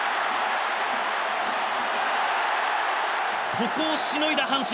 ここをしのいだ阪神。